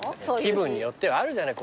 気分によってはあるじゃない。